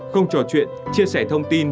hai không trò chuyện chia sẻ thông tin